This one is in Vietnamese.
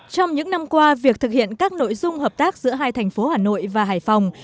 trong những năm qua việc thực hiện các nội dung hợp tác giữa hai thành phố hà nội và hải phòng